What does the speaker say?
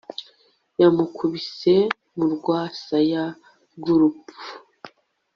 Yamukubise mu rwasaya rwurupfu